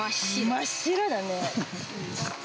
真っ白だね。